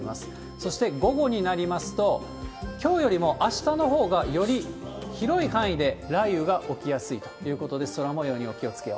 そして午後になりますと、きょうよりもあしたのほうがより広い範囲で雷雨が起きやすいということで、空もようにお気をつけを。